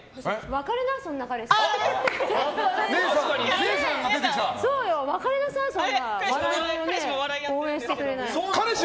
別れな、そんな彼氏。